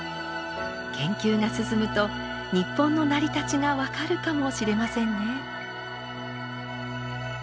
研究が進むと日本の成り立ちが分かるかもしれませんね。